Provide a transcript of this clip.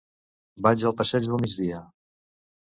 Vaig al passeig del Migdia.